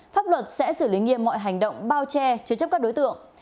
pháp luật sẽ xử lý nghiêm mọi hành động bao che chứa chấp các đối tượng